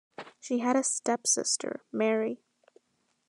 She had a stepsister, Mary.